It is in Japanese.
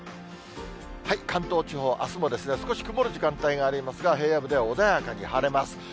関東地方、あすも少し曇る時間帯がありますが、平野部では穏やかに晴れます。